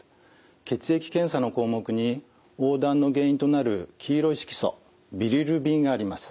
血液検査の項目に黄だんの原因となる黄色い色素ビリルビンがあります。